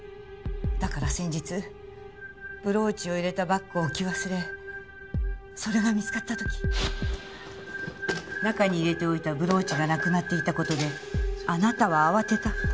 だから先日ブローチを入れたバッグを置き忘れそれが見つかった時中に入れておいたブローチがなくなっていた事であなたは慌てた。